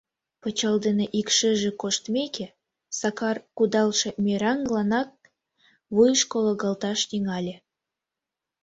Пычал дене ик шыже коштмеке, Сакар кудалше мераҥланак вуйышко логалташ тӱҥале.